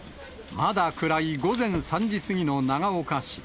まだ暗い午前３時過ぎの長岡市。